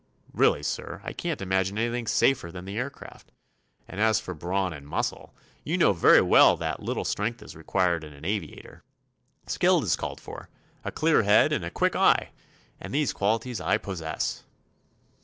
Really, sir, I can't imagine anything safer than the aircraft. And as for brawn and muscle, you know very well that little strength is required in an aviator. Skill is called for; a clear head and a quick eye; and these qualities I possess."